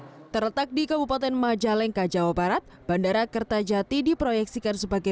hai terletak di kabupaten majalengka jawa barat bandara kertajati diproyeksikan sebagai